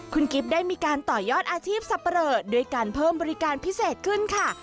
คุณกิ๊บได้มีการต่อยอดอาชีพสับปะเลอด้วยการเพิ่มบริการพิเศษขึ้นค่ะ